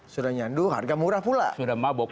sudah nyandu harga murah pula